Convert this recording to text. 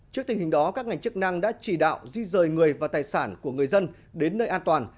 trước tình hình đó các ngành chức năng đã chỉ đạo di rời người và tài sản của người dân đến nơi an toàn